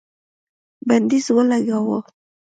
بندیز ولګاوه